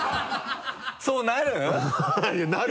そうなる？